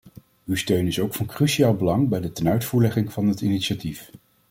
Uw steun is ook van cruciaal belang bij de tenuitvoerlegging van het initiatief.